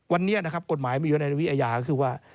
วันนี้นะครับกฎหมายมันอยู่ในวิอาญาก็คือว่า